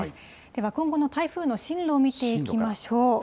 では今後の台風の進路を見ていきましょう。